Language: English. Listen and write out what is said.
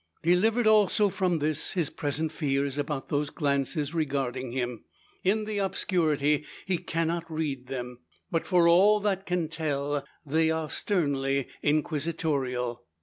Delivered also from this, his present fear is about those glances regarding him. In the obscurity he cannot read them, but for all that can tell they are sternly inquisitorial.